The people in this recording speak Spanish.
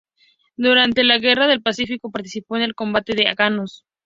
Durante la guerra del Pacifico participó en el combate de Angamos.